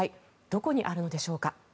どこにあるのでしょうか。